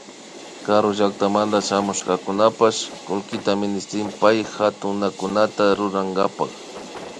Karu llakatamanta shamushkakunapash kullkita ministin paypa hatunakunata rurankapak